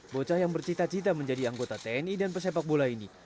bocah yang bercita cita menjadi anggota tni dan pesepak bola ini